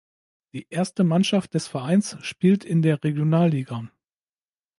Die Erste Mannschaft des Vereins spielt in der Regionalliga.